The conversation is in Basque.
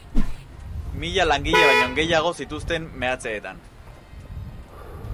Mila langile baino gehiago zituzten meatzeetan